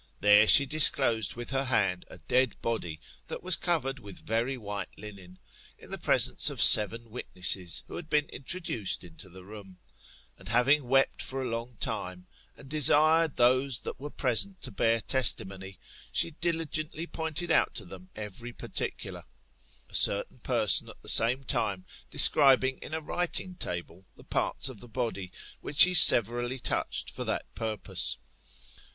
There she disclosed with her hand a dead body that was covered with very white linen, in the presence of seven witnesses who had been introduced into the room : and having wept for a long time, and desired those that were present to bear testimony, she dih'gently pointed out to them every particular , a certain person at the same time describing in a writing table the parts of the body, which he severally touched for that purpose.